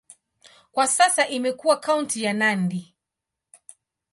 Kwa sasa imekuwa kaunti ya Nandi.